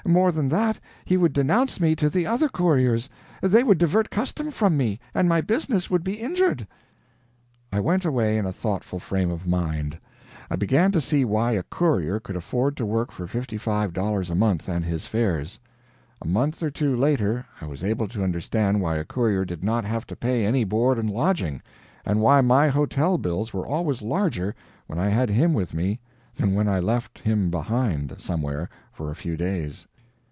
More than that, he would denounce me to the other couriers, they would divert custom from me, and my business would be injured." I went away in a thoughtful frame of mind. I began to see why a courier could afford to work for fifty five dollars a month and his fares. A month or two later I was able to understand why a courier did not have to pay any board and lodging, and why my hotel bills were always larger when I had him with me than when I left him behind, somewhere, for a few days.